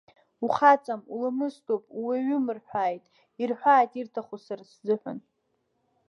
Ухаҵам, уламысдоуп, ууаҩым рҳәааит, ирҳәааит ирҭаху сара сзыҳәан.